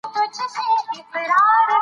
جلګه د افغانستان د انرژۍ سکتور برخه ده.